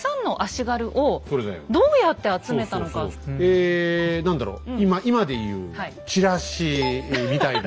え何だろう今で言うチラシみたいな？